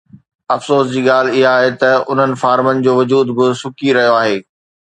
افسوس جي ڳالهه اها آهي ته انهن فارمن جو وجود به سڪي رهيو آهي.